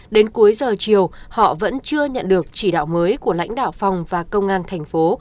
đến cuối giờ chiều họ vẫn chưa nhận được chỉ đạo mới của lãnh đạo phòng và công an thành phố